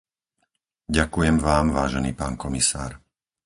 Ďakujem vám, vážený pán komisár.